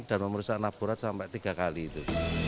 dan pemeriksaan laborat sampai tiga kali itu